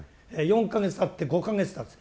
４か月たって５か月たつ。